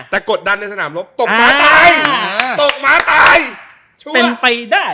แต่กดดันในสนามรบตบหมาตายตบหมาตายเป็นไปได้